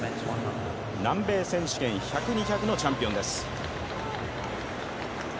南米選手権１００、２００のチャンピオンです。